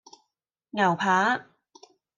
牛扒